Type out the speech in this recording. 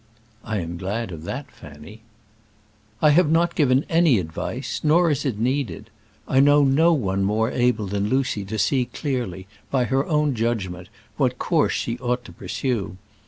"I am glad of that, Fanny." "I have not given any advice; nor is it needed. I know no one more able than Lucy to see clearly, by her own judgment, what course she ought to pursue.